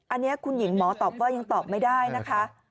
อันนี้คุณหญิงหมอตอบว่ายังตอบไม่ได้นะคะ